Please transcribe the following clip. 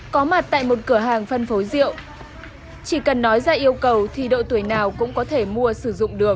có mặt tại một cửa hàng phân phối rượu chỉ cần nói ra yêu cầu thì độ tuổi nào cũng có thể mua sử dụng được